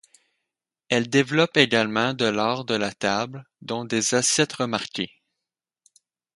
Elle développe également de l'art de la table dont des assiettes remarquées.